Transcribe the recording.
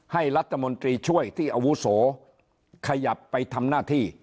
ให้รัฐมนตรีช่วยที่อาวุโสขยับไปทำหน้าที่